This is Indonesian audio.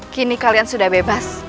kini kalian sudah bebas